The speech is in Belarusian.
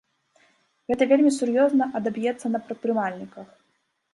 Гэта вельмі сур'ёзна адаб'ецца на прадпрымальніках.